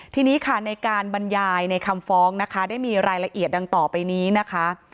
ทีนี้ค่ะในการบรรยายในคำฟ้องนะคะได้มีรายละเอียดดังต่อไปนี้นะคะ